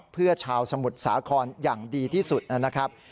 เพื่อชาวสมุทรสาครอย่างดีที่สุดนะครับ